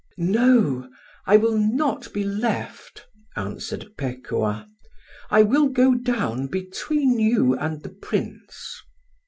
"No, I will not be left," answered Pekuah, "I will go down between you and the Prince."